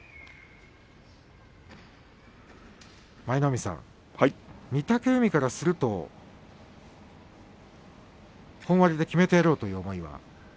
舞の海さん、御嶽海からすると本割で決めてやろうという思いは。